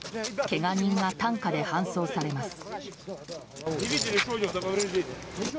けが人が担架で搬送されます。